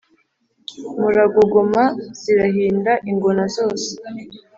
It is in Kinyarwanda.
muragogoma zirahinda ingona zose